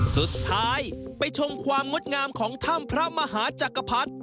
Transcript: สุดท้ายไปชมความงดงามของถ้ำพระมหาจักรพรรดิ